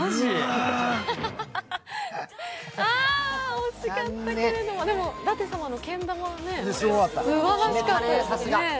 惜しかったけれども、舘様のけん玉すばらしかったですね。